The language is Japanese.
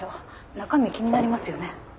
中身気になりますよね。